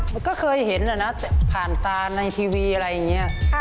มันก็เคยเห็นนะผ่านตาในทีวีอะไรอย่างนี้